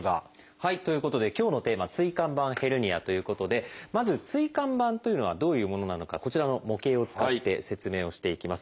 はいということで今日のテーマ「椎間板ヘルニア」ということでまず椎間板というのはどういうものなのかこちらの模型を使って説明をしていきます。